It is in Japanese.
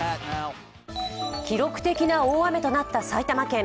記録的な大雨となった埼玉県。